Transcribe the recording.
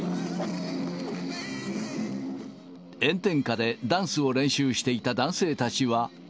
炎天下でダンスを練習していた男性たちは。